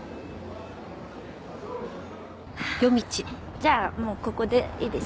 じゃあもうここでいいです。